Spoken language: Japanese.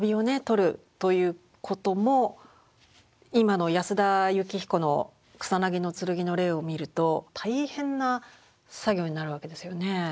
取るということも今の安田靫彦の「草薙の剣」の例を見ると大変な作業になるわけですよねぇ。